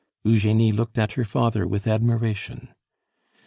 Eugenie looked at her father with admiration.